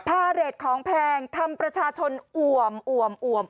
พาเรทของแพงทำประชาชนอ่วมอ่วมอ่วม